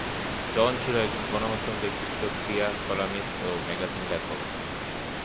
জন ছিলেন একজন গণমাধ্যম ব্যক্তিত্ব, ক্রীড়া কলামিস্ট, ও ম্যাগাজিন লেখক।